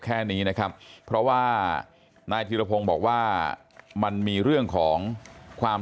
แค่นี้นะครับเพราะว่านายธิรพงศ์บอกว่ามันมีเรื่องของความ